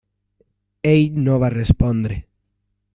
Ell no va respondre.